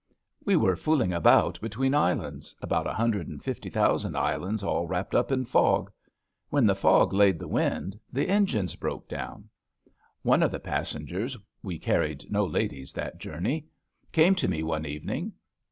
We were fooling about between islands — about a hundred and fifty thousand islands all wrapped up in fog. When the fog laid the wind, 8 ABAFT THE FUNNEL the engines broke down. One of the passengers — ^we carried no ladies that journey— came to me one evening.